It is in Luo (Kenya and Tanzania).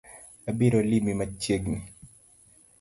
Abiro limi machiegni